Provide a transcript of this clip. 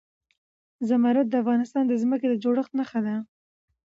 زمرد د افغانستان د ځمکې د جوړښت نښه ده.